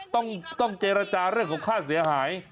ต้องเจรจาเรื่องของค่าเสียหาย